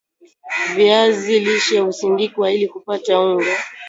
viazi lishe husindikwa ili kupata unga